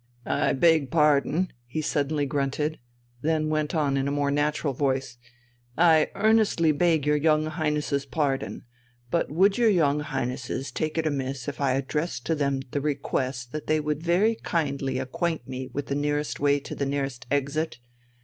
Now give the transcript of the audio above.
"I beg pardon!" he suddenly grunted; then went on in a more natural voice: "I earnestly beg your young Highnesses' pardon! But would your young Highnesses take it amiss if I addressed to them the request that they would very kindly acquaint me with the nearest way to the nearest exit?